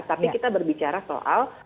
tapi kita berbicara soal